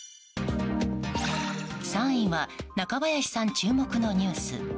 ３位は中林さん注目のニュース。